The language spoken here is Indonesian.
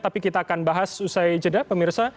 tapi kita akan bahas usai jeda pemirsa